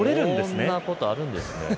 こんなことあるんですね。